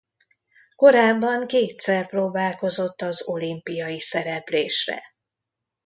Korábban kétszer próbálkozott az olimpiai szereplésre.